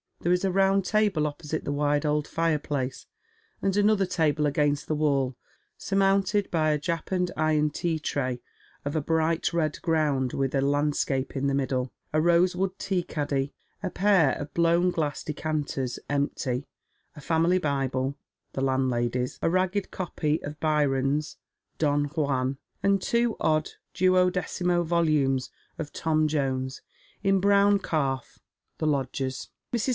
There is a round table opposite the wide old fireplace, and another table against the wall, surmounted by a japanned iron tea tray of a bright red ground with a landscape in the middle, a rosewood tea caddy, a pair of bfown glass decanters, empty, a family Bible — the landlady's — a ragged copy of Byron's " Don Juan," and two odd duodecimo volumes of " Tom Jones," in brown calf — the lodger's. Mrs.